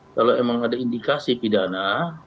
kalau memang ada indikasi pidana